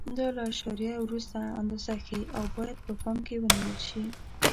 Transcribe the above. دا له اعشاریه وروسته اندازه ښیي او باید په پام کې ونیول شي.